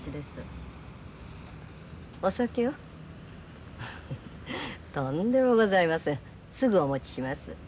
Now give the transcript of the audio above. すぐお持ちします。